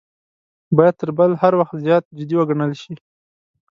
باید تر بل هر وخت زیات جدي وګڼل شي.